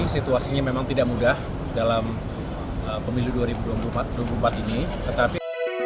situasinya memang tidak mudah dalam pemilu dua ribu dua puluh empat ini tetapi